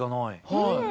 はい。